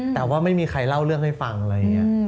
แต่ว่าไม่มีใครเล่าเรื่องให้ฟังอะไรอย่างนี้